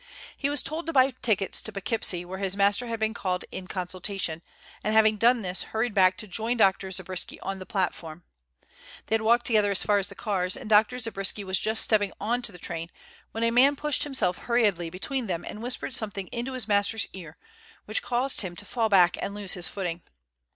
He was told to buy tickets to Poughkeepsie where his master had been called in consultation, and having done this, hurried back to join Dr. Zabriskie on the platform. They had walked together as far as the cars, and Dr. Zabriskie was just stepping on to the train, when a man pushed himself hurriedly between them and whispered something into his master's ear, which caused him to fall back and lose his footing.